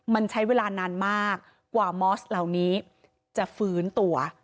มันใช้เวลานานมากกว่ามอสเหล่านี้จะฟื้นตัว